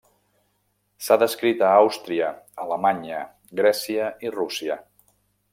S'ha descrit a Àustria, Alemanya, Grècia i Rússia.